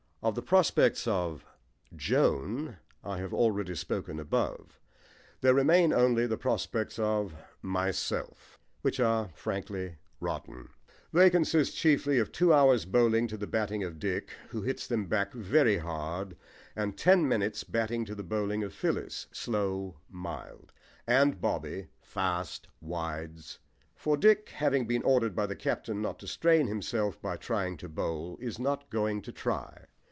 Of the prospects of JOAN I have already spoken above. There remain only the prospects of MYSELF which are frankly rotten. They consist chiefly of two hours' bowling to the batting of Dick (who hits them back very hard), and ten minutes' batting to the bowling of Phyllis (slow, mild) and Bobby (fast wides); for Dick, having been ordered by the captain not to strain himself by trying to bowl, is not going to try.